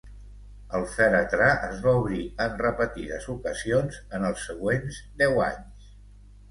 El fèretre es va obrir en repetides ocasions en els següents deu anys.